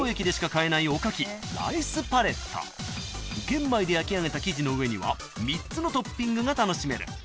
［玄米で焼きあげた生地の上には３つのトッピングが楽しめる］